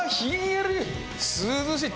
涼しい！